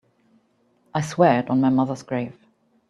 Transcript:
I swear it on my mother's grave.